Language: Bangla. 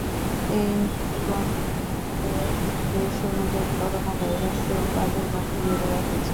এই নিবন্ধে দেশ অনুযায়ী করোনাভাইরাসের প্রাদুর্ভাব তুলে ধরা হয়েছে।